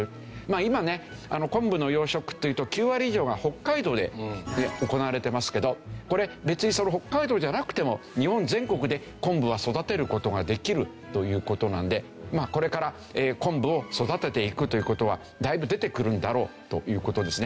今ね昆布の養殖というと９割以上が北海道で行われてますけどこれ別に北海道じゃなくても日本全国で昆布は育てる事ができるという事なのでこれから昆布を育てていくという事はだいぶ出てくるんだろうという事ですね。